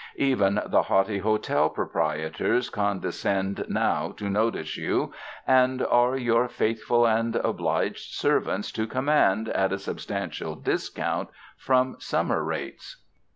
Even the haughty hotel proprie tors condescend now to notice you and are your faithful and obliged servants to command at a sub stantial discount from summer rates.